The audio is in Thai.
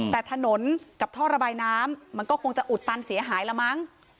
แต่ถนนกับท่อระบายน้ำมันก็คงจะอุดตันเสียหายละมั้ง